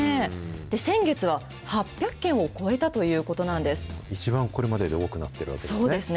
先月は８００件を超えたというこ一番、これまでで多くなってるわけなんですね。